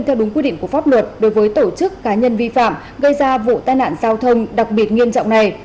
theo đúng quy định của pháp luật đối với tổ chức cá nhân vi phạm gây ra vụ tai nạn giao thông đặc biệt nghiêm trọng này